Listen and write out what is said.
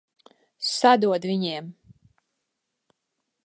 Sadod viņiem!